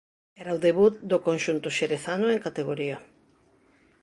Era o debut do conxunto xerezano en categoría.